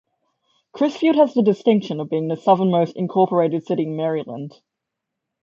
Crisfield has the distinction of being the southernmost incorporated city in Maryland.